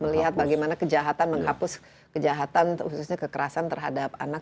melihat bagaimana kejahatan menghapus kejahatan khususnya kekerasan terhadap anak